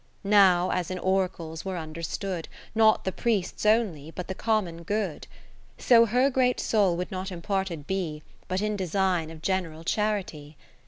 Now as in oracles were understood. Not the priest's only, but the common good : So her great soul would not imparted be. But in design of general Charity.